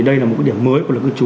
đây là một điểm mới của cư trú